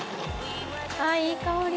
あいい香り。